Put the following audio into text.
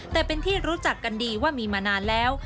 แต่เป็นที่รู้จักกันดีว่ามีมานานแล้ว